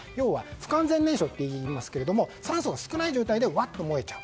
不完全燃焼っていいますけど酸素が少ない状態でわっと燃えちゃう。